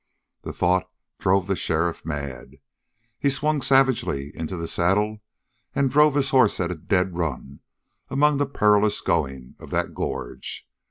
The thought drove the sheriff mad. He swung savagely into the saddle and drove his horse at a dead run among the perilous going of that gorge.